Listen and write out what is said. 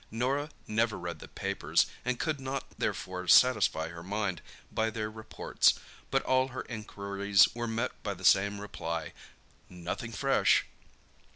Norah never read the papers, and could not therefore satisfy her mind by their reports; but all her inquiries were met by the same reply, "Nothing fresh."